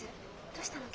どうしたの？